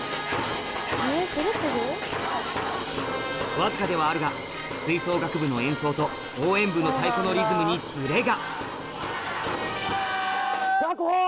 わずかではあるが吹奏楽部の演奏と応援部の太鼓のリズムにズレが